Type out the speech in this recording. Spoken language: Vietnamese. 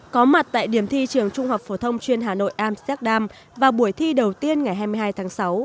có mặt tại điểm thi trường trung học phổ thông chuyên hà nội amsterdam vào buổi thi đầu tiên ngày hai mươi hai tháng sáu